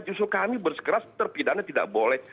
justru kami bersekeras terpidana tidak boleh